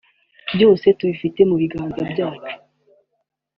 “Byose tubifite mu biganza byacu